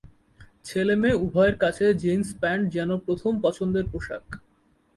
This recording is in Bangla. ছেলেমেয়ে উভয়ের কাছে জিন্স প্যান্ট যেন প্রথম পছন্দের পোশাক।